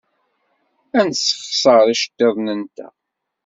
Ad nessexṣer iceḍḍiḍen-nteɣ.